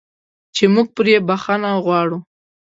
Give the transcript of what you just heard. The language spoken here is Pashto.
چې موږ پرې بخښنه غواړو.